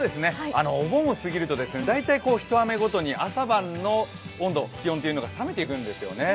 お盆を過ぎると大体、一雨ごとに朝晩の温度、気温というのが冷めていくんですよね。